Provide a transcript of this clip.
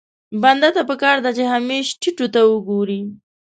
بنده ته پکار ده چې همېش ټيټو ته وګوري.